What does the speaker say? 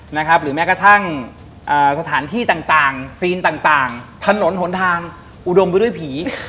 หรือแม้กระทั่งสถานที่ต่างซีนต่างถนนหนทางอุดมไปด้วยผี